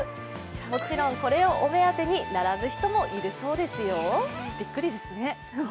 もちろんこれをお目当てに並ぶ人もいるそうですよ。